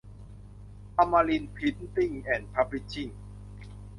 อมรินทร์พริ้นติ้ง แอนด์ พับลิชชิ่ง